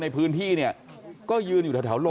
พ่อขออนุญาต